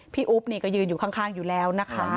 อุ๊บนี่ก็ยืนอยู่ข้างอยู่แล้วนะคะ